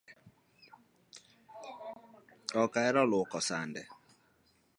Ok ahero luoko sande